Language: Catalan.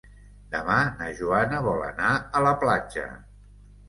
Demà na Joana vol anar a la platja.